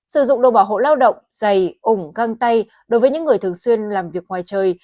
sử dụng đồ bảo hộ lao động dày ủng găng tay đối với những người thường xuyên làm việc ngoài trời